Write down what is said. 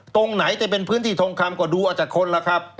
ตรงไหนแต่เป็นพื้นที่ทองคำก็ดูเอาแต่คนล่ะครับ